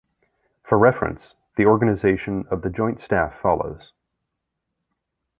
For reference, the organization of the Joint Staff follows.